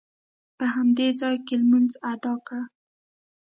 په همدې ځاې کې لمونځ ادا کړ.